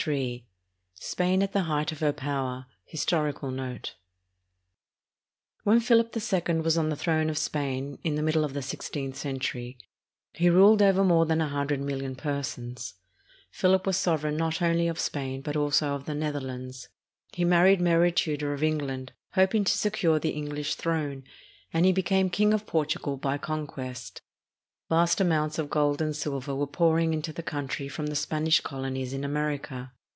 Ill SPAIN AT THE HEIGHT OF HER POWER HISTORICAL NOTE When Philip II was on the throne of Spain, in the middle of the sixteenth century, he ruled over more than 100,000,000 persons. Philip was sovereign not only of Spain, but also of the Netherlands. He married Mary Tudor of England, hoping to secure the English throne, and he became King of Portugal by conquest. Vast amounts of gold and silver were pouring into the country from the Spanish colonies in America.